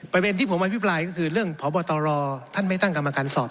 ประเด็นที่ผมอภิปรายก็คือเรื่องพบตรท่านไม่ตั้งกรรมการสอบ